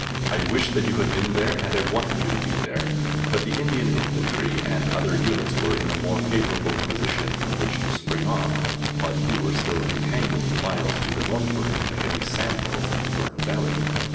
I wished that you had been there, and I wanted you to be there, but the Indian Infantry and other units were in a more favourable position from which to spring off, while you were still entangled miles to the northward in the heavy sandhills of the Jordan Valley.